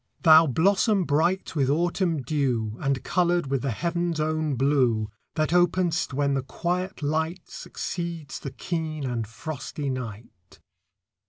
Thou blossom bright with autumn dew, And coloured with the heaven's own blue, That openest when the quiet light Succeeds the keen and frosty night.